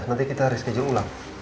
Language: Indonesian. nanti kita reskejul ulang